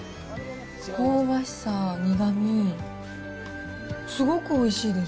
香ばしさ、苦み、すごくおいしいです。